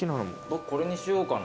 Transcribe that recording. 僕これにしようかな。